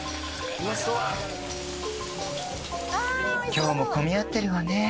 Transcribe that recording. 今日も混み合ってるわね